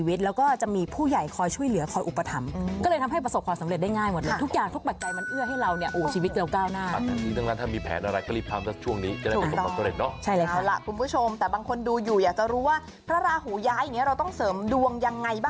วิธีแรกก็คือการไปโบชาองค์พระราหุยัย